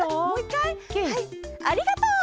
はい「ありがとう！」。